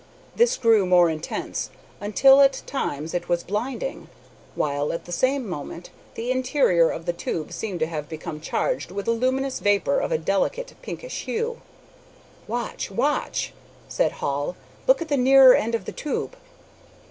This grew more intense, until, at times, it was blinding, while, at the same moment, the interior of the tube seemed to have become charged with a luminous vapor of a delicate pinkish hue. "Watch! Watch!" said Hall. "Look at the nearer end of the tube!"